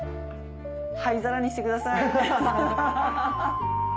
灰皿にしてくださいハハハ。